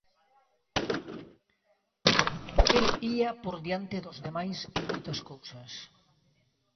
El ía por diante dos demais en moitas cousas.